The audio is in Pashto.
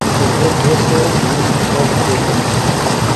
په زر دوه سوه اوه نوي کال پرېکړه وشوه.